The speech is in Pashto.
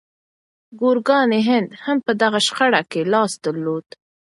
ګورګاني هند هم په دغه شخړه کې لاس درلود.